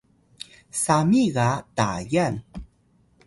sami ga Tayan